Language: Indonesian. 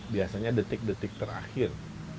biasanya detik detik terakhir